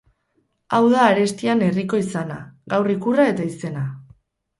Hau da arestian Herriko izana, gaur ikurra eta izena.